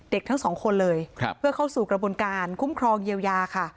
ทั้งสองคนเลยเพื่อเข้าสู่กระบวนการคุ้มครองเยียวยาค่ะ